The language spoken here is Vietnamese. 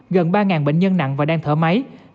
gần ba bệnh nhân nặng và đang thở máy